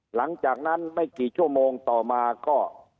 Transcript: หลังจากนั้นไม่กี่ชั่วโมงต่อมาก็